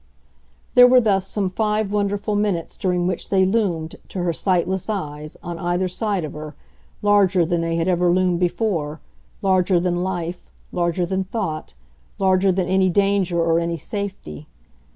There were thus some five wonderful minutes during which they loomed, to her sightless eyes, on either side of her, larger than they had ever loomed before, larger than life, larger than thought, larger than any danger or any safety.